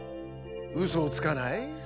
うそをつかない？